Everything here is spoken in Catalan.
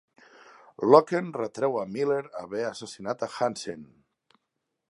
Locken retreu a Miller haver assassinat a Hansen.